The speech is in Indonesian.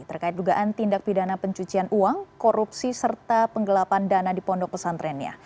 terkait dugaan tindak pidana pencucian uang korupsi serta penggelapan dana di pondok pesantrennya